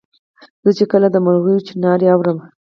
زه چي کله د مرغیو چوڼاری اورم